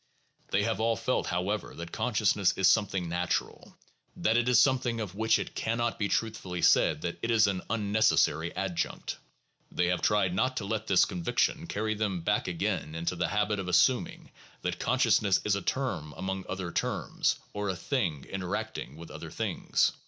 They have all felt, however, that consciousness is something natural, that it is something of which it cannot be truthfully said that it is an ' unnecessary adjunct. ' They have tried not to let this con viction carry them back again into the habit of assuming that consciousness is a term among other terms, or a thing interacting with other things.